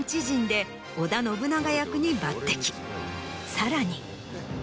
さらに。